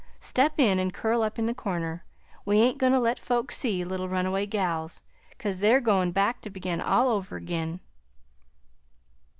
Step in an' curl up in the corner; we ain't goin' to let folks see little runaway gals, 'cause they're goin' back to begin all over ag'in!"